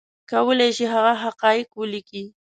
کولی شي هغه حقایق ولیکي